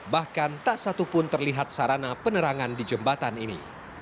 bahkan tak satupun terlihat sarana penerangan di jembatan ini